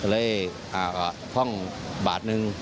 เลยท่องบาทหนึ่ง